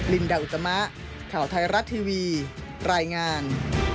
ลินดาอุตมะข่าวไทยรัฐทีวีรายงาน